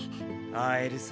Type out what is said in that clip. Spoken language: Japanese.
会えるさ。